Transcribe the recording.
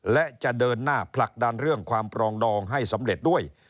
และจะเดินหน้าผลักดันเรื่องความปรองดองให้สำเร็จด้วย